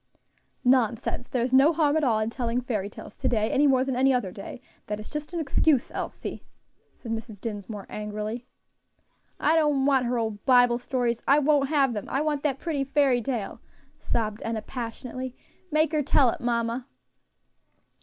"Nonsense! there's no harm at all in telling fairy tales to day, any more than any other day; that is just an excuse, Elsie," said Mrs. Dinsmore, angrily. "I don't want her old Bible stories. I won't have them. I want that pretty fairy tale," sobbed Enna passionately; "make her tell it, mamma."